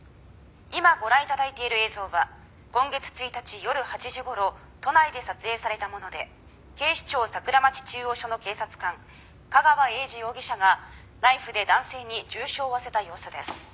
「今ご覧頂いている映像は今月１日夜８時頃都内で撮影されたもので警視庁桜町中央署の警察官架川英児容疑者がナイフで男性に重傷を負わせた様子です」